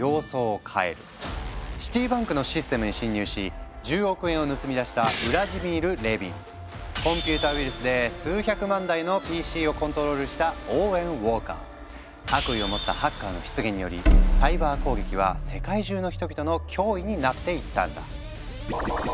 シティバンクのシステムに侵入し１０億円を盗み出したコンピューターウイルスで数百万台のＰＣをコントロールした悪意を持ったハッカーの出現によりサイバー攻撃は世界中の人々の脅威になっていったんだ。